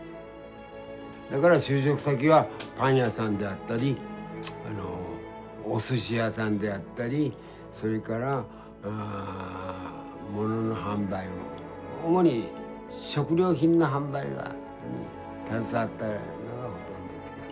だから就職先はパン屋さんであったりおすし屋さんであったりそれから物の販売を主に食料品の販売に携わったのがほとんどですかね。